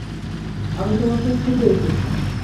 আমি তোমাকে খেতে এসেছি।